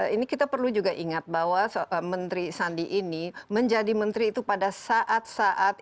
ini kita perlu juga ingat bahwa menteri sandi ini menjadi menteri itu pada saat saat